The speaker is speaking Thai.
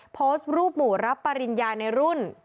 โพสต์รูปหมู่รับปริญญาในรุ่น